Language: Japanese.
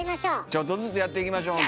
ちょっとずつやっていきましょう。